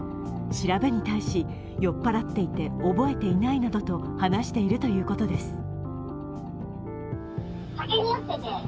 調べに対し、酔っ払っていて覚えていないなどと話しているということです。